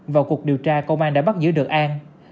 vào cuộc điều tra công an đã bắt giữ được an